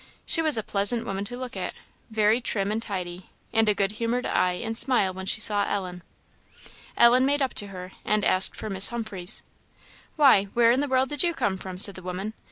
She was a pleasant woman to look at, very trim and tidy, and a good humored eye and smile when she saw Ellen. Ellen made up to her, and asked for Miss Humphreys. "Why, where in the world did you come from?" said the woman.